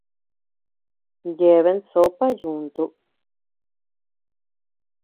Yeabean sópa yuntu.